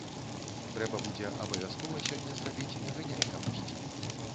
Трэба будзе абавязкова сёння зрабіць наганяй камусьці.